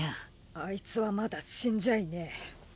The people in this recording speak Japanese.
アイツはまだ死んじゃいねえ。